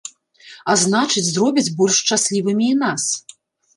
А значыць, зробяць больш шчаслівымі і нас.